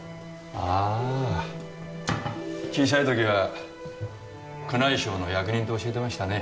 ああ小さいときは宮内省の役人と教えてましたね